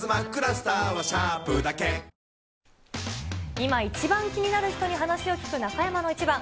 今、一番気になる人に話を聞く中山のイチバン。